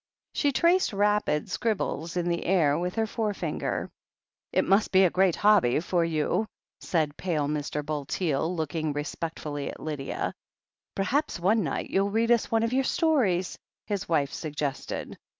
She traced rapid scribbles in the air with her fore finger. "It must be a great hobby for you," said pale Mr. Bulteel, looking respectfully at Lydia. "Perhaps one night you'll read us one of your stories," his wife suggested.